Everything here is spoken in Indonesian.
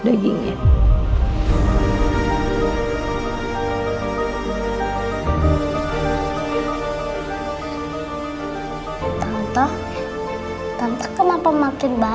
tapi aku ingin tahu tempat mana dia berada dan di mana kita berada